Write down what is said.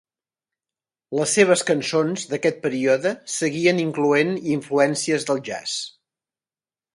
Les seves cançons d'aquest període seguien incloent influències del jazz.